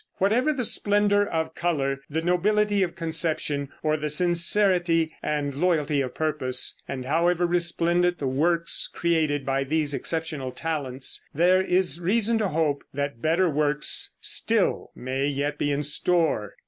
Whatever the splendor of color, the nobility of conception, or the sincerity and loyalty of purpose, and however resplendent the works created by these exceptional talents, there is reason to hope that better works still may yet be in store.